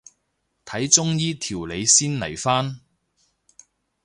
睇中醫調理先嚟返